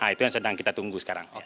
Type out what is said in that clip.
itu yang sedang kita tunggu sekarang